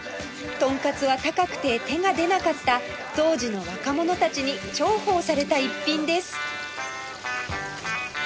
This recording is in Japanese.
トンカツは高くて手が出なかった当時の若者たちに重宝された一品です